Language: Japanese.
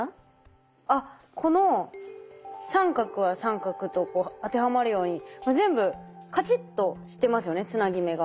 あっこの三角は三角と当てはまるように全部カチッとしてますよねつなぎ目が。